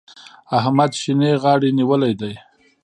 احمد شينې غاړې نيولی دی.